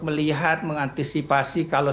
melihat mengantisipasi kalau